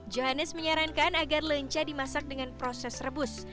johannes menyarankan agar lenca dimasak dengan proses rebus